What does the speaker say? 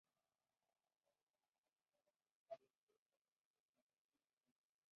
La isla fue capturada pese a la heroica defensa de la pequeña guarnición.